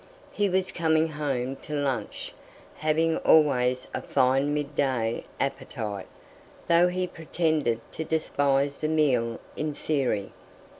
He was coming home to lunch, having always a fine midday appetite, though he pretended to despise the meal in theory.